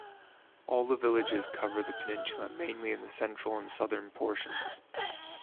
All the villages cover the peninsula mainly in the central and the southern portions.